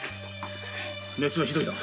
熱がひどいな。